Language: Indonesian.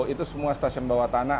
itu semua stasiun bawah tanah